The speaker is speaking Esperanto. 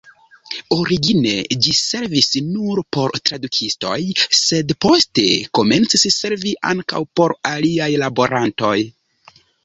Origine ĝi servis nur por tradukistoj, sed poste komencis servi ankaŭ por aliaj laborantoj.